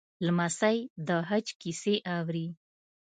لمسی د حج کیسې اوري.